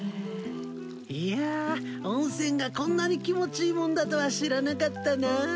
いや温泉がこんなに気持ちいいもんだとは知らなかったな。